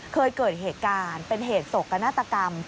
เคยเกิดเหตุการณ์เป็นเหตุโศกนาฏกรรม